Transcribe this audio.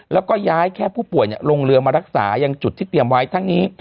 แล้วก็ย้ายแค่ผู้ป่วยลงเรือมารักษายังจุดที่เตรียมไว้ทั้งนี้